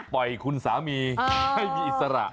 ปล่อยคุณสามีให้มีอิสระ